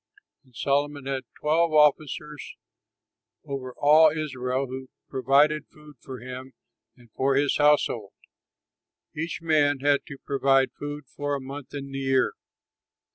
And Solomon had twelve officers over all Israel who provided food for him and for his household: each man had to provide food for a month in the year.